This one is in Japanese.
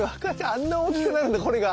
あんな大きくなるんだこれが。